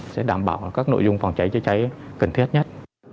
sẽ đảm bảo các nội dung phòng cháy chữa cháy cần thiết nhất